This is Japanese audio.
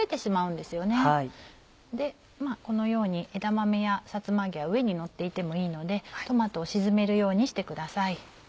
このように枝豆やさつま揚げは上にのっていてもいいのでトマトを沈めるようにしてください。